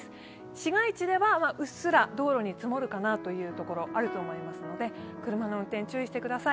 市街地ではうっすら道路に積もるかなという所、あると思いますので車の運転、注意してください。